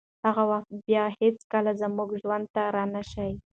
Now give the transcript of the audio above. هغه وخت به بیا هیڅکله زموږ ژوند ته رانشي.